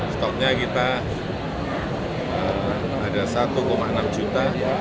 stoknya kita ada satu enam juta